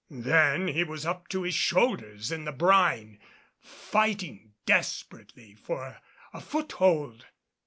Then he was up to his shoulders in the brine, fighting desperately for a foothold.